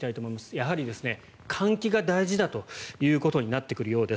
やはり換気が大事だということになってくるようです。